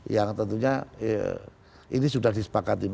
yang tentunya ini sudah disepakati